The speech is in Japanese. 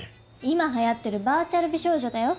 今流行ってるバーチャル美少女だよ。